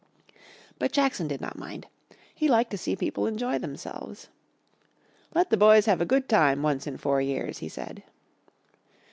But Jackson did not mind; he liked to see people enjoy themselves. "Let the boys have a good time once in four years," he said.